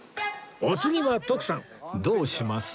お次は徳さんどうします？